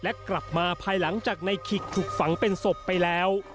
และกลับมาภายหลังจากในขิกถูกฝังเป็นศพไปแล้ว